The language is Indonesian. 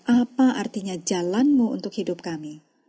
apa artinya jalanmu untuk hidup kami